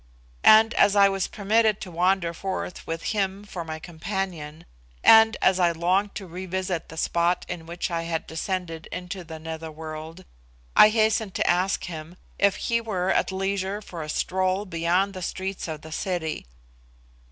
And as I was permitted to wander forth with him for my companion, and as I longed to revisit the spot in which I had descended into the nether world, I hastened to ask him if he were at leisure for a stroll beyond the streets of the city.